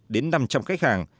đến năm trăm linh khách hàng